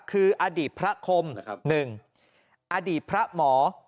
คืออดีตพระคม๑อดีตพระหมอ